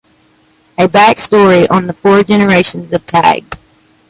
A back story on the four generations of tags.